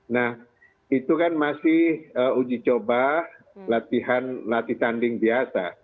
nah itu kan masih uji coba latihan latih tanding biasa